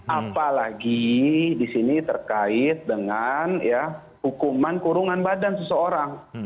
apalagi di sini terkait dengan hukuman kurungan badan seseorang